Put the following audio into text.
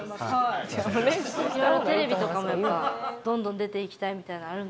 いろいろテレビとかもやっぱどんどん出ていきたいみたいのあるんですか？